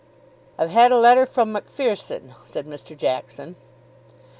"I've had a letter from MacPherson," said Mr. Jackson.